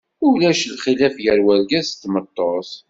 Ulac lxilaf gar wergaz d tmeṭṭut.